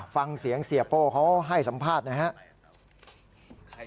ฟังเสียงเสียโป้เขาให้สัมภาษณ์หน่อยครับ